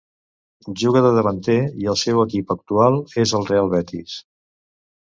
Juga de davanter i el seu equip actual és el Real Betis.